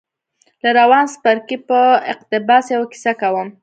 له روان څپرکي په اقتباس يوه کيسه کوم.